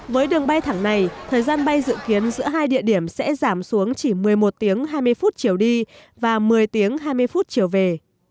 với đường bay thẳng này thời gian bay dự kiến giữa hai địa điểm sẽ giảm xuống chỉ một mươi một tiếng hai mươi phút chiều đi và một mươi tiếng hai mươi phút chiều về